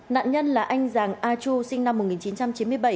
nạn nhân là anh giàng a chu sinh năm một nghìn chín trăm chín mươi bảy